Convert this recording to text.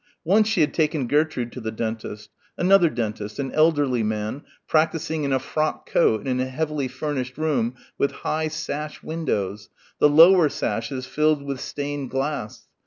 Once she had taken Gertrude to the dentist another dentist, an elderly man, practising in a frock coat in a heavily furnished room with high sash windows, the lower sashes filled with stained glass.